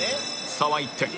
差は１点。